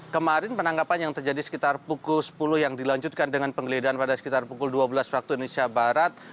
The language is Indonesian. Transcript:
kemarin penangkapan yang terjadi sekitar pukul sepuluh yang dilanjutkan dengan penggeledahan pada sekitar pukul dua belas waktu indonesia barat